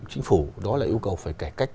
chính phủ đó là yêu cầu phải cải cách